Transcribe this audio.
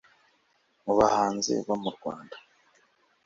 mu bahanzi bo mu rwanda